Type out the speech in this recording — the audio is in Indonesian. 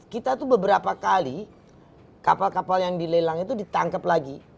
kita tuh beberapa kali kapal kapal yang dilelang itu ditangkap lagi